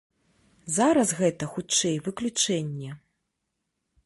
Зараз гэта, хутчэй, выключэнне.